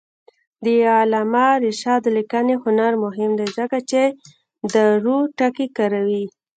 د علامه رشاد لیکنی هنر مهم دی ځکه چې دارو ټکي کاروي.